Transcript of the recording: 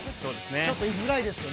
ちょっと居づらいですよね。